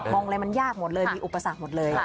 อะไรมันยากหมดเลยมีอุปสรรคหมดเลย